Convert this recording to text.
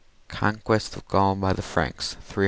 Conquest of Gaul by the Franks (300 aj>.)